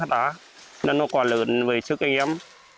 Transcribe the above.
sáu trăm bảy mươi năm hạt á nên nó còn lớn với sức anh em